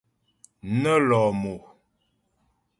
Nə́ lɔ̂ mo.